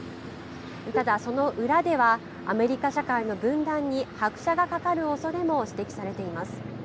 ただその裏では、アメリカ社会の分断に拍車がかかるおそれも指摘されています。